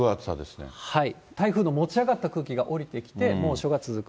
台風の持ち上がった空気が降りてきて、猛暑が続く。